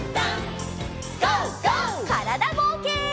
からだぼうけん。